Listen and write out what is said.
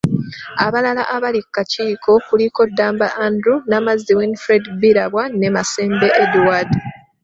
Abalala abali ku kakiiko kuliko; Ddamba Andrew, Namazzi Windfred Birabwa ne Masembe Edward.